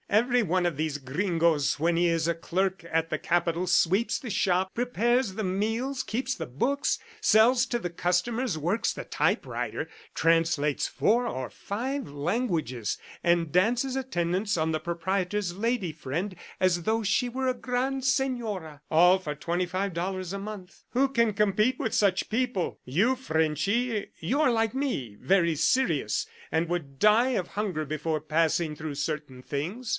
"Every one of these gringoes when he is a clerk at the Capital sweeps the shop, prepares the meals, keeps the books, sells to the customers, works the typewriter, translates four or five languages, and dances attendance on the proprietor's lady friend, as though she were a grand senora ... all for twenty five dollars a month. Who can compete with such people! You, Frenchy, you are like me, very serious, and would die of hunger before passing through certain things.